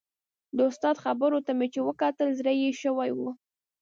د استاد خبرو ته چې مې وکتل زړه یې شوی و.